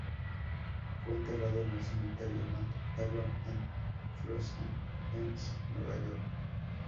Fue enterrado en el Cementerio Mount Hebron en Flushing, Queens, Nueva York.